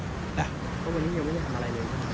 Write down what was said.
เพราะวันนี้ยังไม่ได้ทำอะไรเลยเหรอครับ